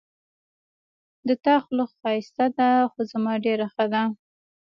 د تا خوله ښایسته ده خو زما ډېره ښه ده